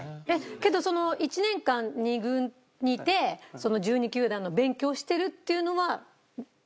けどその１年間２軍にいて１２球団の勉強をしてるっていうのは。